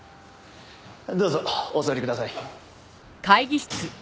どうぞお座りください。